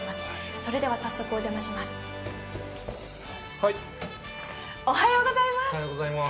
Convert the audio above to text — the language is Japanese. それでは早速、お邪魔します。